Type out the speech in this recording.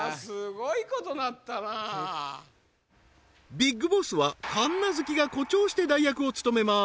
ビッグボスは神奈月が誇張して代役を務めます